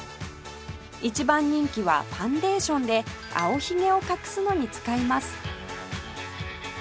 一番人気はファンデーションで青ひげを隠すのに使います